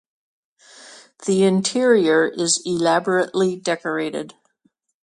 The interior is elaborately decorated.